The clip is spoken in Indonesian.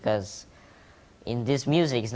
karena dalam musik ini